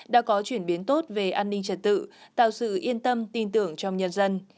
đã có chuyển biến tốt về an ninh trật tự tạo sự yên tâm tin tưởng trong nhân dân